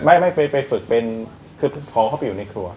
ไม่ไม่ไปฝึกเป็นคือพอเข้าไปอยู่ในครัว